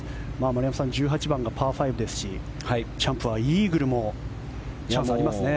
丸山さん１８番がパー５ですしチャンプはイーグルもチャンスありますね。